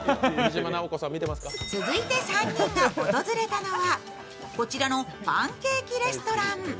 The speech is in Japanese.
続いて３人が訪れたのは、こちらのパンケーキレストラン。